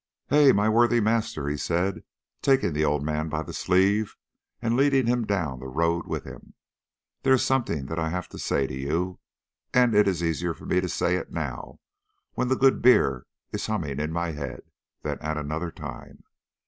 "Heh! my worthy master," he said, taking the old man by the sleeve, and leading him down the road with him. "There is something that I have to say to you, and it is easier for me to say it now, when the good beer is humming in my head, than at another time."